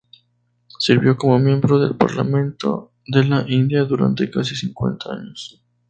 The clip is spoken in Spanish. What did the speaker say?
Sirvió como miembro del Parlamento de la India durante casi cincuenta años.